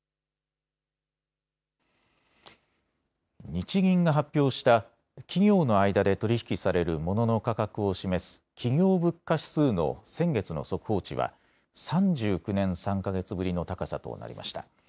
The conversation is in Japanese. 日銀が発表した企業の間で取り引きされるモノの価格を示す企業物価指数の先月の速報値は３９年３か月ぶりの高さとなりました。